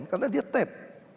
karena dia tap